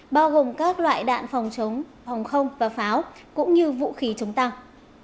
bao gồm các loại đạn phòng chống phòng không và pháo cũng như vũ khí chống tăng